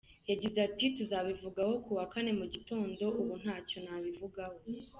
Yagize ati “Tuzabivugaho ku wa Kane mu Gitondo, ubu ntacyo nabivugaho.